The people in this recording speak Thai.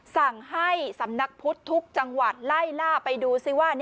สั่งให้สำนักพุทธทุกจังหวัดไล่ล่าไปดูซิว่า